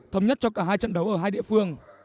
thống nhất cho cả hai trận đấu ở hai địa phương